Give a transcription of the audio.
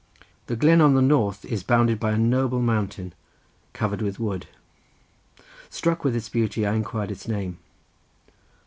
The glen on the north is bounded by a noble mountain, covered with wood. Struck with its beauty I inquired its name.